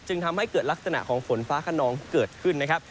จึงทำให้เกิดลักษณะของฝนฟ้าขนองเกิดขึ้นนะครับ